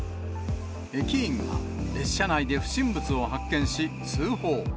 駅員が列車内で不審物を発見し、通報。